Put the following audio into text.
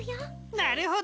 なるほど！